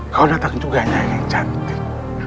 kau datang juga nyari yang cantik